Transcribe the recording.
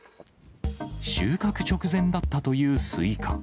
収穫直前だったというスイカ。